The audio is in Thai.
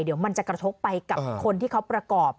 เดี๋ยวมันจะกระทบไปกับคนที่เขาประกอบ